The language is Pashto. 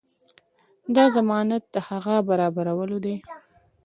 دا ضمانت د هغه برابرولو دی.